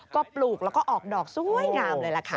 ก็ปลูกแล้วก็ออกดอกสวยงามเลยล่ะค่ะ